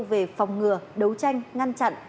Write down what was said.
về phòng ngừa đấu tranh ngăn chặn